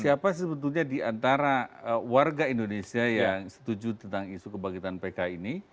siapa sebetulnya diantara warga indonesia yang setuju tentang isu kebangkitan pk ini